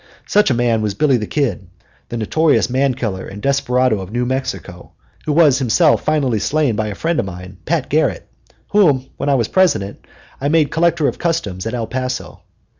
Such a man was Billy the Kid, the notorious man killer and desperado of New Mexico, who was himself finally slain by a friend of mine, Pat Garrett, whom, when I was President, I made collector of customs at El Paso.